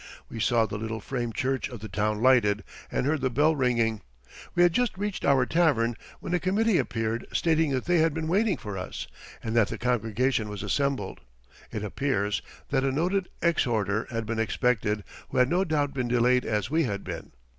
We saw the little frame church of the town lighted and heard the bell ringing. We had just reached our tavern when a committee appeared stating that they had been waiting for us and that the congregation was assembled. It appears that a noted exhorter had been expected who had no doubt been delayed as we had been.